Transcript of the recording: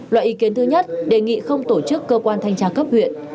loại ý kiến thứ nhất đề nghị không tổ chức cơ quan thanh tra cấp huyện